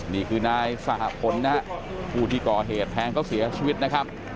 นี่คือนายสะหัสผลผู้ติกอเหตุแพงเค้าเสียชีวิตนะครับ